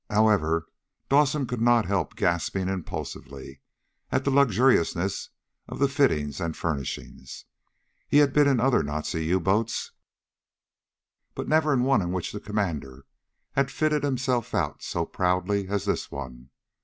However, Dawson could not help gasping impulsively at the luxuriousness of the fittings and furnishings. He had been in other Nazi U boats, but never in one in which the commander had fitted himself out so proudly as this one.